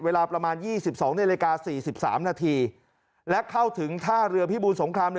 เวลาประมาณ๒๒นาฬิกา๔๓นาทีและเข้าถึงท่าเรือพิบูรสงคราม๑